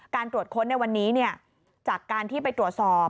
ตรวจค้นในวันนี้จากการที่ไปตรวจสอบ